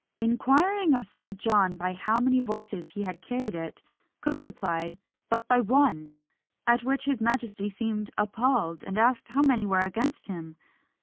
Inquiring of Sir John by how many voices he had carried it? Cooke replied, "But by one!" at which his majesty seemed appalled, and asked how many were against him?